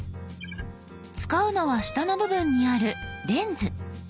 使うのは下の部分にある「レンズ」。